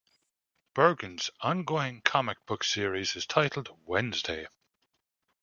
Bergin's on-going comic book series is titled Wednesday.